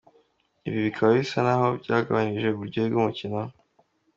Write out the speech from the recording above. Ibi bikaba bisa n’aho byagabanije uburyohe bw’umukino.